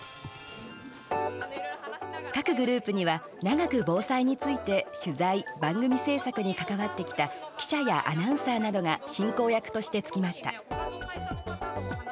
各グループには長く防災について取材、番組制作に関わってきた記者やアナウンサーなどが進行役としてつきました。